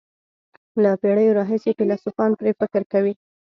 له پېړیو راهیسې فیلسوفان پرې فکر کوي.